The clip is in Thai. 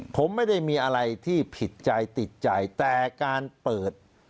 ผมไม่ได้มีอะไรที่ผิดใจติดใจแต่การเปิด